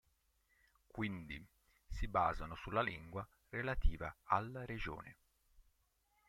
Quindi si basano sulla lingua relativa alla regione.